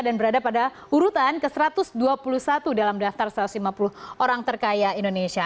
dan berada pada urutan ke satu ratus dua puluh satu dalam daftar satu ratus lima puluh orang terkaya indonesia